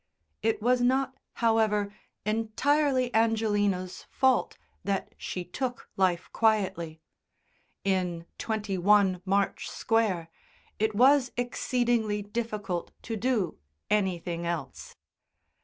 It was not, however, entirely Angelina's fault that she took life quietly; in 21 March Square, it was exceedingly difficult to do anything else.